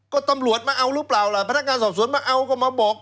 ก็ตำรวจมาเอาหรือเปล่าล่ะพนักงานสอบสวนมาเอาก็มาบอก